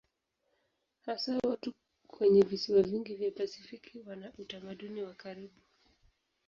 Hasa watu kwenye visiwa vingi vya Pasifiki wana utamaduni wa karibu.